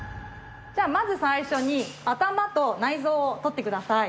じゃあまず最初に頭と内臓を取って下さい。